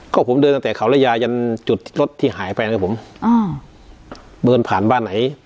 ก็ผมเดินตั้งแต่เขาระยายันจุดรถที่หายไปนะผมอ่าเดินผ่านบ้านไหน